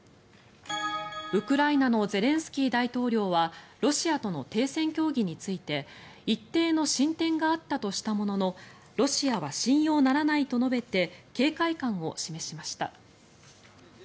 ウクライナのゼレンスキー大統領はロシアとの停戦協議について一定の進展があったとしたもののロシアは信用ならないと述べて警戒感を示しました。